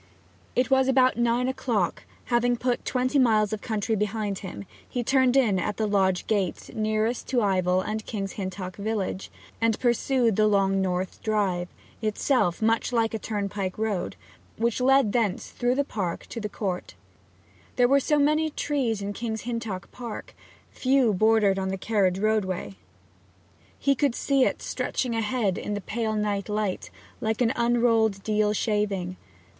It was about nine o'clock that, having put twenty miles of country behind him, he turned in at the lodge gate nearest to Ivell and King's Hintock village, and pursued the long north drive itself much like a turnpike road which led thence through the park to the Court. Though there were so many trees in King's Hintock park, few bordered the carriage roadway; he could see it stretching ahead in the pale night light like an unrolled deal shaving.